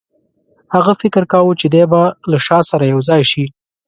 هغه فکر کاوه چې دی به له شاه سره یو ځای شي.